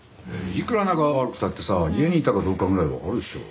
いくら仲が悪くたってさ家にいたかどうかぐらいわかるでしょ。